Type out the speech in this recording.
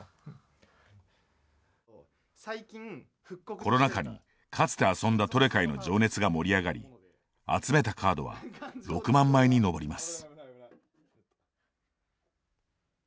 コロナ禍に、かつて遊んだトレカへの情熱が盛り上がり集めたカードは６万枚に上ります。